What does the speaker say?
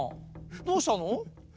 どうしたの？